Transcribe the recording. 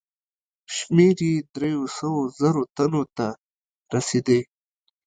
شمېر یې دریو سوو زرو تنو ته رسېدی.